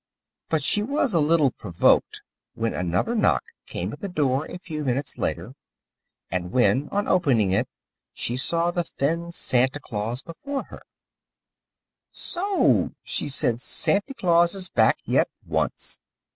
But she was a little provoked when another knock came at the door a few minutes later, and when, on opening it, she saw the thin Santa Claus before her again. "So!" she said, "Santy Claus is back yet once!"